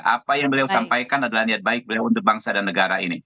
apa yang beliau sampaikan adalah niat baik beliau untuk bangsa dan negara ini